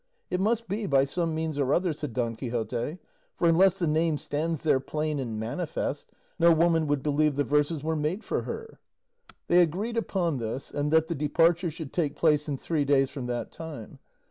"It must be, by some means or other," said Don Quixote, "for unless the name stands there plain and manifest, no woman would believe the verses were made for her." They agreed upon this, and that the departure should take place in three days from that time.